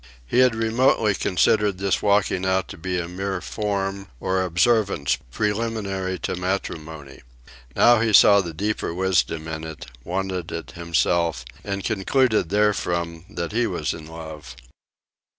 He had remotely considered this walking out to be a mere form or observance preliminary to matrimony. Now he saw the deeper wisdom in it, wanted it himself, and concluded therefrom that he was in love.